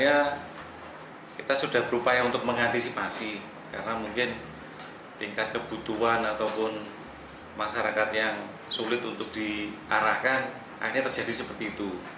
ya kita sudah berupaya untuk mengantisipasi karena mungkin tingkat kebutuhan ataupun masyarakat yang sulit untuk diarahkan akhirnya terjadi seperti itu